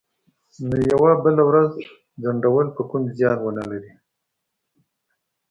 نو یوه بله ورځ ځنډول به کوم زیان ونه لري